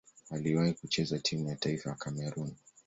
Aliwahi kucheza timu ya taifa ya Kamerun.